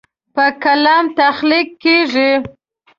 په قلم تخلیق کیږي.